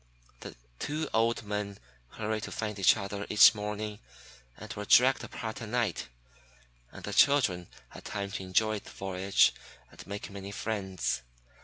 The two old men hurried to find each other each morning, and were dragged apart at night; and the children had time to enjoy the voyage and make many friends.